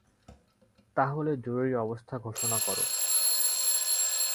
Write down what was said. তাহলে জরুরি অবস্থা ঘোষণা করো।